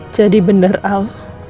jadi benar al